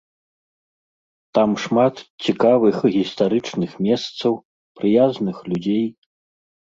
Там шмат цікавых гістарычных месцаў, прыязных людзей.